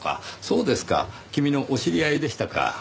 そうですか君のお知り合いでしたか。